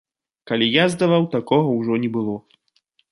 Калі я здаваў, такога ўжо не было.